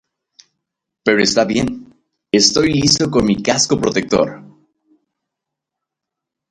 Pero está bien, estoy listo con mi casco protector.